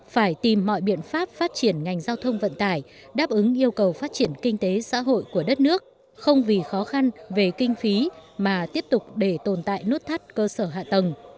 phải tìm mọi biện pháp phát triển ngành giao thông vận tải đáp ứng yêu cầu phát triển kinh tế xã hội của đất nước không vì khó khăn về kinh phí mà tiếp tục để tồn tại nút thắt cơ sở hạ tầng